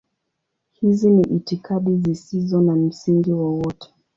Hizi ni itikadi zisizo na msingi wowote.